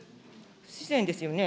不自然ですよね。